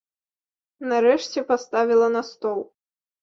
Нарэшце паставіла на стол.